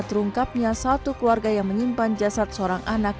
terungkapnya satu keluarga yang menyimpan jasad seorang anak